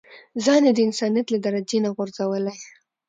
ځان يې د انسانيت له درجې نه غورځولی.